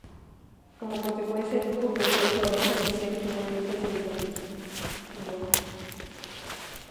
Como consecuencia, el grupo perdió su arranque inicial y finalmente se escindió.